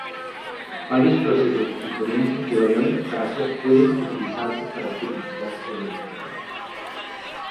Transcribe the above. Varios procesos diferentes de variable eficacia pueden utilizarse para purificar el aire.